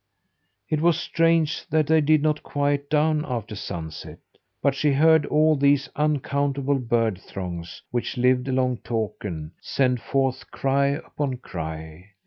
It was strange that they did not quiet down after sunset. But she heard all these uncountable bird throngs, which lived along Takern, send forth cry upon cry.